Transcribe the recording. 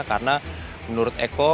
karena menurut eko